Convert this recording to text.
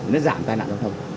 nó giảm tai nạn giao thông